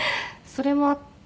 それもあって。